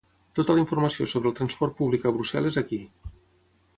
Tota la informació sobre el transport públic a Brussel·les ací.